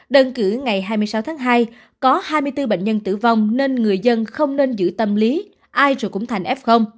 đơn cử ngày hai mươi sáu tháng hai có hai mươi bốn bệnh nhân tử vong nên người dân không nên giữ tâm lý ai rồi cũng thành f